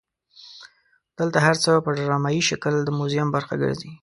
دلته هر څه په ډرامایي شکل د موزیم برخه ګرځي.